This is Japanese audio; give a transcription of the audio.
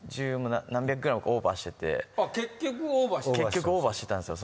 結局オーバーしてたんですよ